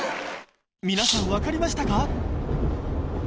皆さん分かりましたか？